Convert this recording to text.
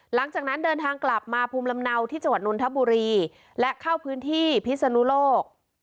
หลังจากนั้นเดินทางกลับมาภูมิลำเนาที่จังหวัดนนทบุรีและเข้าพื้นที่พิศนุโลก